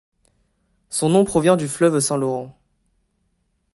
Son nom provient du fleuve Saint-Laurent.